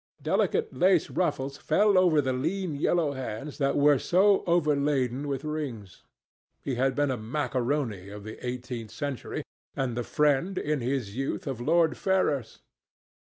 Delicate lace ruffles fell over the lean yellow hands that were so overladen with rings. He had been a macaroni of the eighteenth century, and the friend, in his youth, of Lord Ferrars.